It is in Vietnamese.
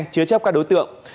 chứa chấp các đối tượng